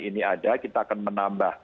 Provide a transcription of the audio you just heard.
ini ada kita akan menambah